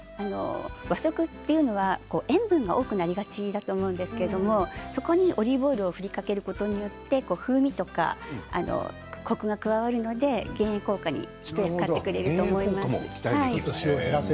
和食は塩分が多くなりがちなんですがそこにオリーブオイルを振りかけることによって風味やコクが加わるので減塩効果に一役買ってくれると思います。